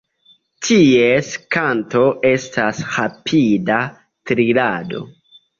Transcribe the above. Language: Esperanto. Ties kanto estas rapida trilado.